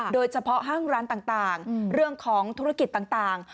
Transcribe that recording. โดยเฉพาะห้างร้านต่างเรื่องของธุรกิจต่าง